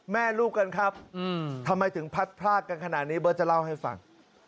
แม่ลูกกันครับทำไมถึงพัดพลากกันขนาดนี้เบิร์ตจะเล่าให้ฟัง